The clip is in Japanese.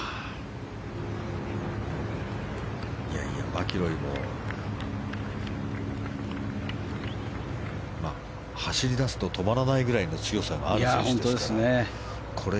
マキロイも走り出すと止まらないぐらいの強さがある選手ですから。